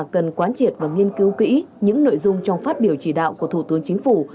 cần quán triệt và nghiên cứu kỹ những nội dung trong phát biểu chỉ đạo của thủ tướng chính phủ